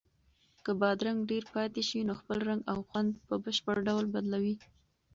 که بادرنګ ډېر پاتې شي نو خپل رنګ او خوند په بشپړ ډول بدلوي.